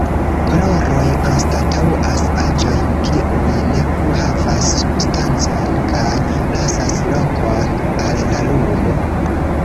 Koloroj anstataŭas aĵojn, kiuj ne plu havas substancon kaj lasas lokon al la lumo.